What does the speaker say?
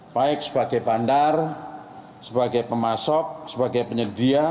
baik sebagai bandar sebagai pemasok sebagai penyedia